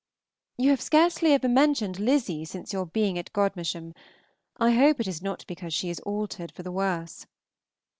You have scarcely ever mentioned Lizzy since your being at Godmersham. I hope it is not because she is altered for the worse.